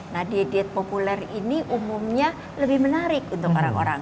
nah diet diet populer ini umumnya lebih menarik untuk orang orang